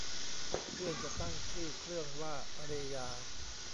เพื่อนจะตั้งชื่อเครื่องว่า เรยา